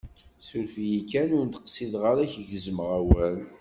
Suref-iyi kan, ur d-qsideɣ ara k-gezmeɣ awal.